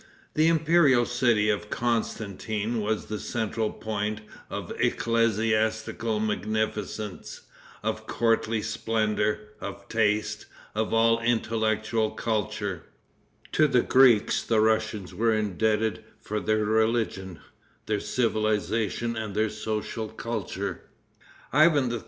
The imperial city of Constantine was the central point of ecclesiastical magnificence, of courtly splendor, of taste, of all intellectual culture. To the Greeks the Russians were indebted for their religion, their civilization and their social culture. [Footnote 4: Karamsin, vol. ix., p. 436.